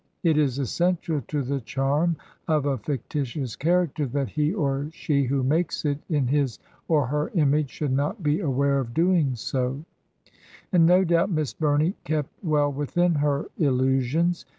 It is essential to the charm of a fictitious character that he or she who makes it in his or her image should not be aware of doing so; and no doubt Miss Bumey kept well within her illusions.